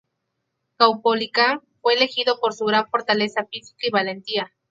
Caupolicán fue elegido por su gran fortaleza física y valentía.